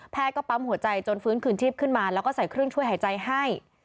ก็ปั๊มหัวใจจนฟื้นคืนชีพขึ้นมาแล้วก็ใส่เครื่องช่วยหายใจให้